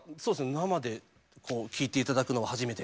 生で聴いて頂くのは初めて。